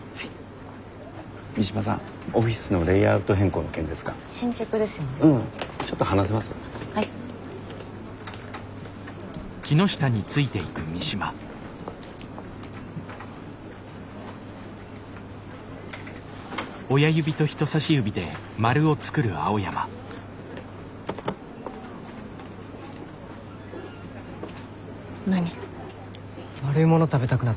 丸いもの食べたくなってきた。